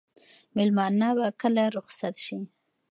مېلمانه به کله رخصت شي؟